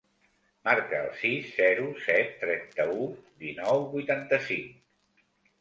Marca el sis, zero, set, trenta-u, dinou, vuitanta-cinc.